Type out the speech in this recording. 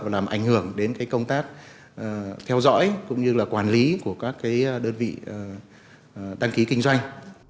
làm ảnh hưởng đến công tác theo dõi cũng như là quản lý của các đơn vị đăng ký kinh doanh